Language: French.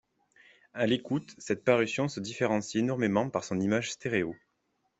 À l'écoute, cette parution se différencie énormément par son image stéréo.